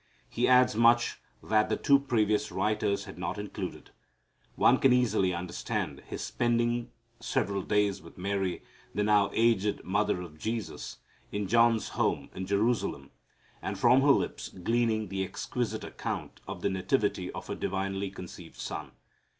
He adds much that the two previous writers had not included. One can easily understand his spending several days with Mary, the now aged mother of Jesus, in John's home in Jerusalem, and from her lips gleaning the exquisite account of the nativity of her divinely conceived Son.